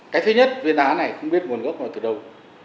cái thứ nhất viên đá này không biết nguồn gốc là từ đâu